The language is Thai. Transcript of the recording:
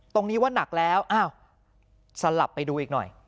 ตรงนี้ว่านักแล้วอ้าวสลับไปดูอีกหน่อย